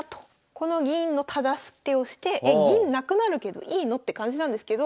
この銀のタダ捨てをしてえ銀なくなるけどいいの？って感じなんですけど。